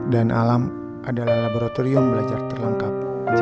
dan alam adalah laboratorium belajar terlengkap